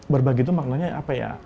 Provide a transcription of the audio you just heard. berbagi itu maknanya apa ya